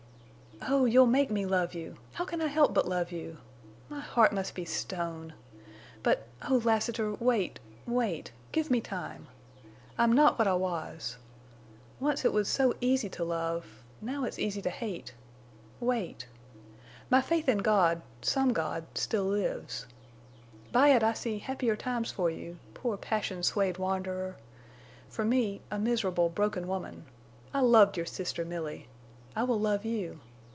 "Oh, you'll make me love you! How can I help but love you? My heart must be stone. But—oh, Lassiter, wait, wait! Give me time. I'm not what I was. Once it was so easy to love. Now it's easy to hate. Wait! My faith in God—some God—still lives. By it I see happier times for you, poor passion swayed wanderer! For me—a miserable, broken woman. I loved your sister Milly. I will love you.